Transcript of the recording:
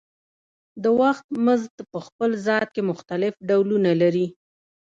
د وخت مزد په خپل ذات کې مختلف ډولونه لري